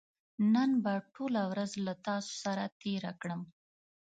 نن به ټوله ورځ له تاسو سره تېره کړم